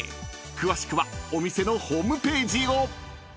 ［詳しくはお店のホームページを］